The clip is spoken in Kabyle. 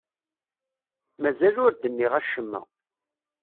Mazal ur d-nniɣ acemma.